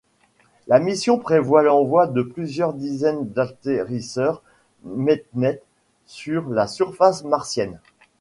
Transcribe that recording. La mission prévoit l'envoi de plusieurs dizaines d'atterrisseurs MetNet sur la surface martienne.